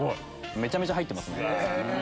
めちゃめちゃ入ってますね。